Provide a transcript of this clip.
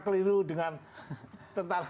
tentu dengan tentang